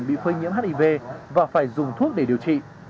bị phơi nhiễm hiv và phải dùng thuốc để điều trị